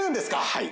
はい。